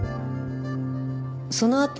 そのあと